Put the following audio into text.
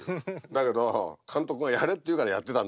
だけど監督がやれっていうからやってたんだって。